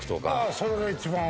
それが一番多い。